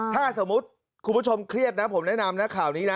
ถ้าสมมุติคุณผู้ชมเครียดนะผมแนะนำนะข่าวนี้นะ